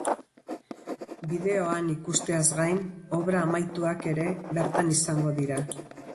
Bideoan ikusteaz gain obra amaituak ere bertan izango dira.